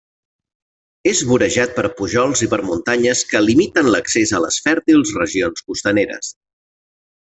És vorejat per pujols i per muntanyes que limiten l'accés a les fèrtils regions costaneres.